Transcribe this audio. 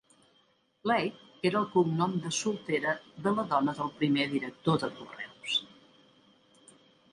Leigh era el cognom de soltera de la dona del primer director de correus.